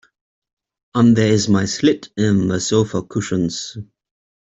And there is my slit in the sofa cushions.